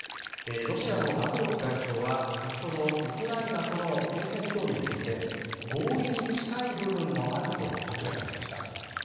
ロシアのラブロフ外相は先ほど、ウクライナとの停戦協議について合意に近い部分もあると明らかにしました。